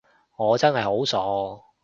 我真係好傻